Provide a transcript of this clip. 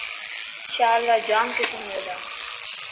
شال را ڄام قصر هئي تا